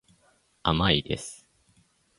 甘いです。